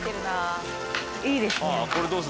いいですねあぁ